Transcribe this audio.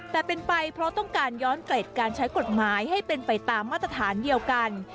แต่เป็นไปเพราะต้องการย้อนเกร็ดการใช้กฎหมายให้เป็นไปตามมาตรฐานเดียวกัน